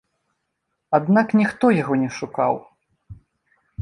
Аднак ніхто яго не шукаў.